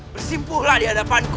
bersimpuhlah di hadapanku